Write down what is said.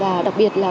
và đặc biệt là